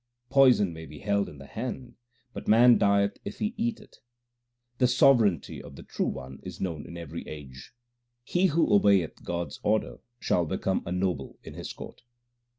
Poison may be held in the hand, but man dieth if he eat it. The sovereignty of the True One is known in every age. He who obeyeth God s order shall become a noble in His court.